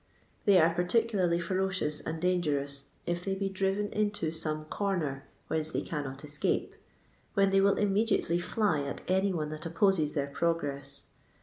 They are particularly ferocious and dangerous, if they be driven into some comer whence they cannot escape, when they will immediately fly at any one that opposes their progress.